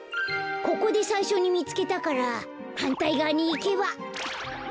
ここでさいしょにみつけたからはんたいがわにいけば。